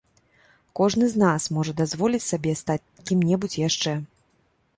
Кожны з нас можа дазволіць сабе стаць кім-небудзь яшчэ.